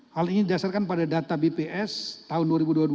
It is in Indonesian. hal ini didasarkan pada data bps tahun dua ribu dua puluh dua